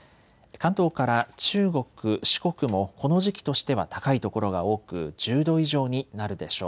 関東から中国、四国もこの時期としては高い所が多く１０度以上になるでしょう。